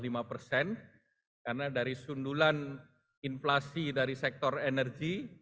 karena dari sundulan inflasi dari sektor energi